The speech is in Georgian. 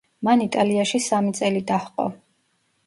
მან იტალიაში სამი წელი დაჰყო.